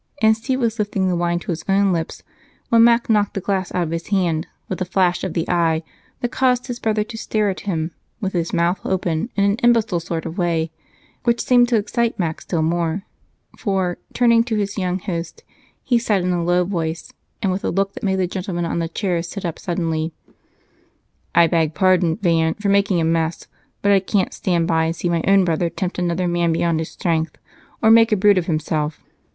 And Steve was lifting the wine to his own lips when Mac knocked the glass out of his hand with a flash of the eye that caused his brother to stare at him with his mouth open in an imbecile sort of way, which seemed to excite Mac still more, for, turning to his young host, he said, in a low voice, and with a look that made the gentlemen on the chairs sit up suddenly: "I beg pardon, Van, for making a mess, but I can't stand by and see my own brother tempt another man beyond his strength or make a brute of himself.